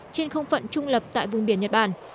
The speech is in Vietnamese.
trên không phận trung lập tại vùng biển nhật bản